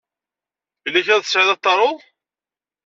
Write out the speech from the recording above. Yella kra ay tesɛiḍ ad t-taruḍ?